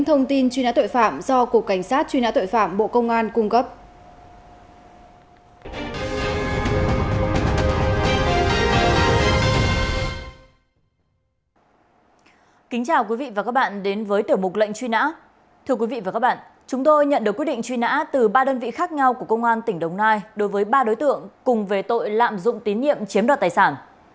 thưa quý vị và các bạn chúng tôi nhận được quy định truy nã từ ba đơn vị khác nhau của công an tỉnh đồng nai đối với ba đối tượng cùng về tội lạm dụng tín nhiệm chiếm đoạt tài sản